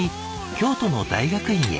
京都の大学院へ。